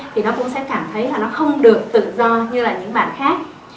thì nó cũng sẽ cảm thấy là nó không được tự do như là những bạn khác